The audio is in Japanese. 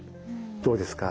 どうですか？